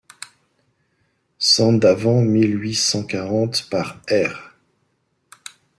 Sand avant mille huit cent quarante, par R.